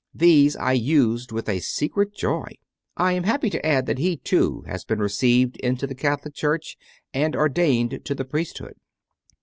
These I used with a secret joy. I am happy to add that he, too, has been received into the Catholic Church and ordained to the priesthood.